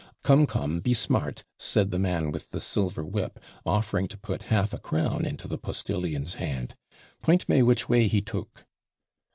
'Came, come, be smart!' said the man with the silver whip, offering to put half a crown into the postillion's hand; 'point me which way he took.'